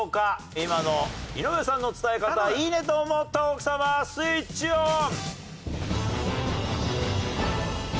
今の井上さんの伝え方いいねと思った奥さまスイッチオン！